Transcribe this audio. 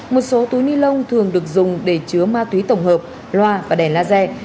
một số túi ni lông thường được dùng để chứa ma túy tổng hợp loa và đèn laser